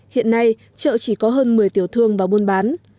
hiện nay chợ chỉ có hơn một mươi tiểu thương và muôn bán